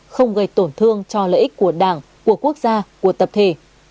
không gây tổn thương cho lợi ích của đảng của quốc gia của tập thể